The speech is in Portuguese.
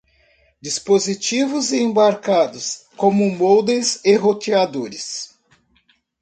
dispositivos embarcados, como modens e roteadores